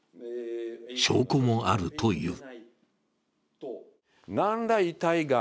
証拠もあるという。